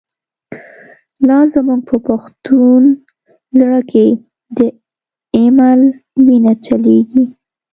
لا زمونږ په پښتون زړه کی، « د ایمل» وینه چلیږی